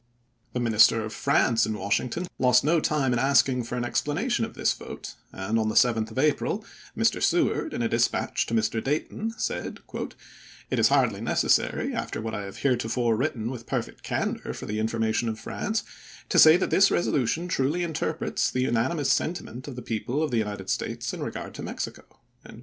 The Minister of France in Washington lost no time in asking for an explanation of this vote, and, on the 7th of April, Mr. Seward, in a dispatch to Mr. Dayton, said, "It is hardly necessary, after what I have heretofore written with perfect candor for the information of France, to say that this res olution truly interprets the unanimous sentiment of the people of the United States in regard to Mexico."